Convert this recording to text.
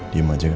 diam aja kan